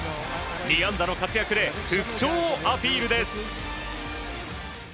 ２安打の活躍で復調をアピールです。